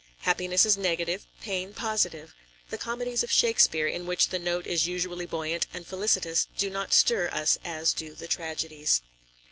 Happiness is negative, pain positive. The comedies of Shakespeare, in which the note is usually buoyant and felicitous, do not stir us as do the tragedies.